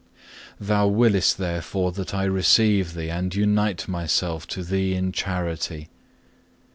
Thou willest therefore that I receive Thee and unite myself to Thee in charity.